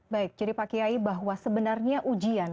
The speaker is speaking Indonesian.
baik jadi pak kiai bahwa sebenarnya ujian